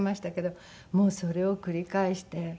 もうそれを繰り返して。